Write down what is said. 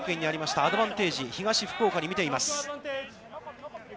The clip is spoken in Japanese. アドバンテージ東福岡に見ています。